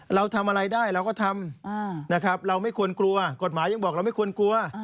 เราทำอะไรได้เราก็ทำนะครับเราไม่ควรกลัวกฎหมายยังบอกเราไม่ควรกลัว